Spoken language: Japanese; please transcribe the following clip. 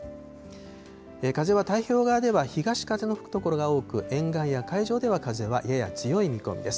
風は太平洋側では東風の吹く所が多く、沿岸や海上では風はやや強い見込みです。